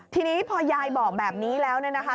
ที่นี้พ่อยายบอกแบบนี้แล้วนะคะ